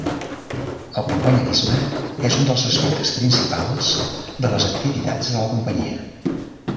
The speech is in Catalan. El companyerisme és un dels aspectes principals de les activitats de la companyia.